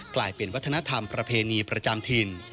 กลายเป็นวัฒนธรรมประเพณีประจำถิ่น